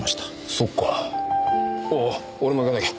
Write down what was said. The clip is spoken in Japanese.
そっかおおっ俺も行かなきゃ。